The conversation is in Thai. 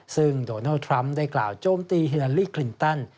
ซึ่งโดนัลด์ทรัมป์ได้กล่าวโจมตีฮิลาลี่คลินตัน